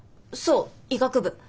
そう医学部。